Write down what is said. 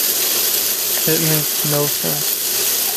It makes no sense.